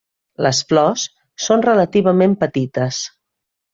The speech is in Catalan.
Les flors són relativament petites.